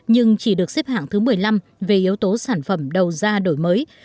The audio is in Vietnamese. nhưng chỉ được xếp hạng thứ một mươi năm về yếu tố sản phẩm đầu ra đổi mới